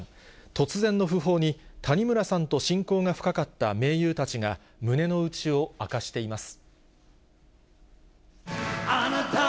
突然の訃報に、谷村さんと親交が深かった盟友たちが、胸の内を明かしています。